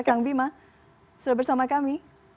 kang bima sudah bersama kami